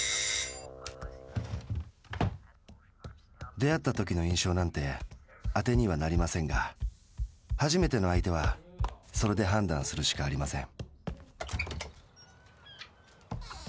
出会ったときの印象なんてあてにはなりませんがはじめての相手はそれで判断するしかありません。